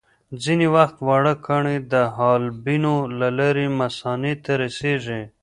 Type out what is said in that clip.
ځینې وخت واړه کاڼي د حالبینو له لارې مثانې ته رسېږي.